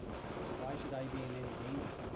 Why should I be in any danger?